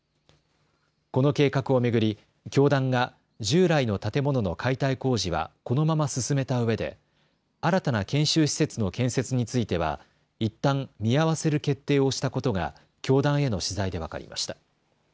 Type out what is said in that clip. この計画を巡り教団が従来の建物の解体工事はこのまま進めたうえで新たな研修施設の建設についてはいったん見合わせる決定をしたことが教団への取材で分かりました。